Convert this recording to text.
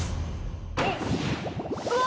うわ！